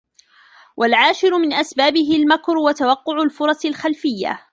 وَالْعَاشِرُ مِنْ أَسْبَابِهِ الْمَكْرُ وَتَوَقُّعُ الْفُرَصِ الْخَلْفِيَّةِ